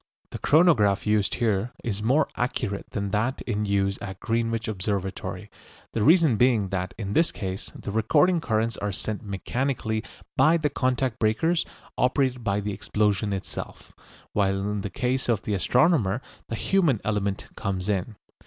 The chronograph used here is more accurate than that in use at Greenwich Observatory, the reason being that in this case the recording currents are sent mechanically by the contact breakers operated by the explosion itself, while in the case of the astronomer the human element comes in.